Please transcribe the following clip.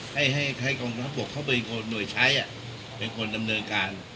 ให้กองทบกเข้าไปหน่วยใช้เป็นคนดำเนินการ